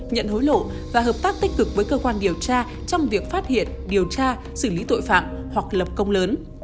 nhận hối lộ và hợp tác tích cực với cơ quan điều tra trong việc phát hiện điều tra xử lý tội phạm hoặc lập công lớn